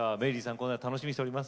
このあと楽しみにしております。